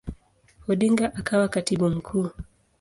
Odinga akawa Katibu Mkuu.